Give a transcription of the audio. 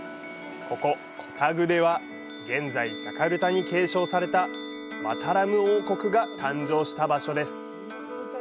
ここコタグデは現在、ジョグジャカルタに継承されたマタラム王国が誕生した場所です。